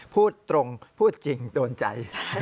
พูดตรงพูดจริงโดนใจ